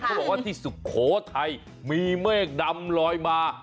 บอกว่าที่สุโขทัยมีเมฆดำลอยมา